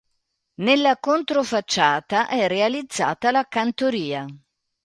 Nella controfacciata è realizzata la cantoria.